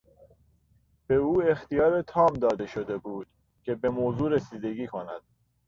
به او اختیار تام داده شده است که به موضوع رسیدگی کند.